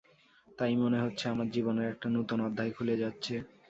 তাই মনে হচ্ছে, আমার জীবনের একটা নূতন অধ্যায় খুলে যাচ্ছে।